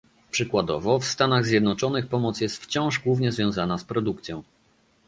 Przykładowo w Stanach Zjednoczonych pomoc jest wciąż głównie związana z produkcją